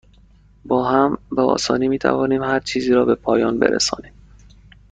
با هم، به آسانی می توانیم هرچیزی را به پایان برسانیم.